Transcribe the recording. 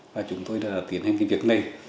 và chúng tôi đã tiến hành việc này